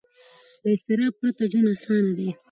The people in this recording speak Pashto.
له اضطراب پرته ژوند اسانه دی.